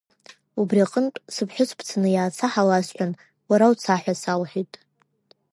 Убри аҟынтә, сыԥҳәыс бцаны иааца ҳәа ласҳәан, уара уца ҳәа салҳәеит.